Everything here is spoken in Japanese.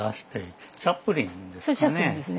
それチャップリンですね。